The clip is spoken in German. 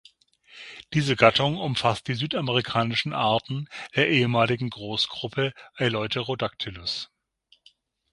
Diese Gattung umfasst die südamerikanischen Arten der ehemaligen Großgruppe "Eleutherodactylus".